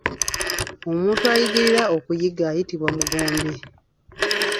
Omuntu ayigirira okuyigga ayitibwa mugombe